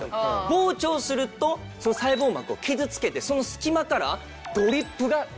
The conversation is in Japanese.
膨張すると細胞膜を傷つけてその隙間からドリップが出る。